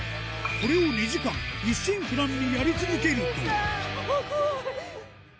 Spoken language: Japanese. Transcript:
これを２時間一心不乱にやり続けると怖い！